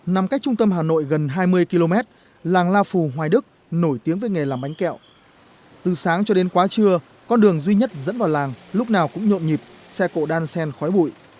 nằm cách trung tâm hà nội gần hai mươi km làng la phù hoài đức nổi tiếng về nghề làm bánh kẹo từ sáng cho đến quá trưa con đường duy nhất dẫn vào làng lúc nào cũng nhộn nhịp xe cộ đan sen khói bụi